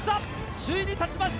首位に立ちました！